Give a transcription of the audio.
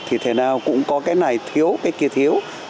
thì thể nào cũng có cái này thiếu cái kia thiếu